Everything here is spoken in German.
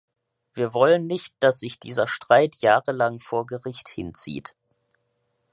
Wir wollen nicht, dass sich dieser Streit jahrelang vor Gericht hinzieht.